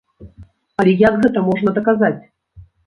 Але як гэта можна даказаць?